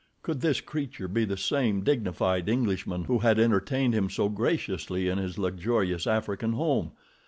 Could this creature be the same dignified Englishman who had entertained him so graciously in his luxurious African home?